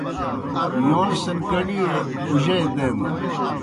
یون سِنکڑِیڑ اُجئی دینَن۔